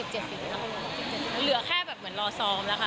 เหลือแค่แบบเหมือนรอซ้อมแล้วค่ะ